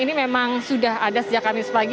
ini memang sudah ada sejak kamis pagi